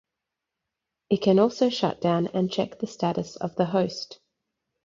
It can also shutdown and check the status of the host.